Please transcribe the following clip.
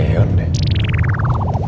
tidak ndonge keran